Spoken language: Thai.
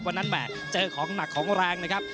แหม่เจอของหนักของแรงนะครับ